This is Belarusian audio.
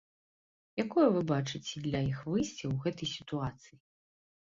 Якое вы бачыце для іх выйсце ў гэтай сітуацыі?